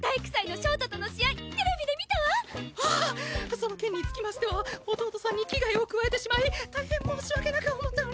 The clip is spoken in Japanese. その件につきましては弟さんに危害を加えてしまい大変申し訳なく思っておりま。